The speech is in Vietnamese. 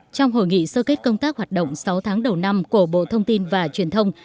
trong hội nghị sơ kết công tác hoạt động sáu tháng đầu năm của bộ thông tin và truyền thông